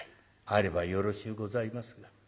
あればよろしゅうございますが。